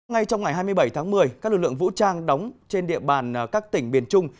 ngay trong ngày hai mươi bảy tháng một mươi các lực lượng vũ trang đóng trên địa bàn các tỉnh biển trung